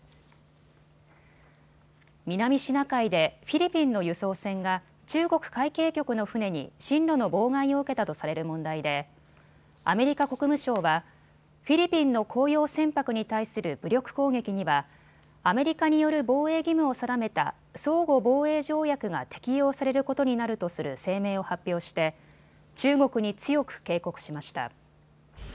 南シナ海でフィリピンの輸送船が中国海警局の船に進路の妨害を受けたとされる問題でアメリカ国務省はフィリピンの公用船舶に対する武力攻撃にはアメリカによる防衛義務を定めた相互防衛条約が適用されることになるとする声明を発表して中国に強く警告しました。